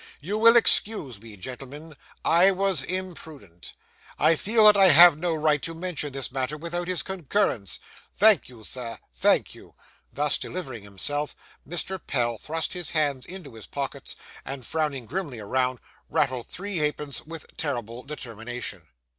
You will excuse me, gentlemen; I was imprudent. I feel that I have no right to mention this matter without his concurrence. Thank you, Sir; thank you.' Thus delivering himself, Mr. Pell thrust his hands into his pockets, and, frowning grimly around, rattled three halfpence with terrible determination.